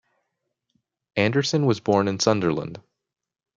Anderson was born in Sunderland.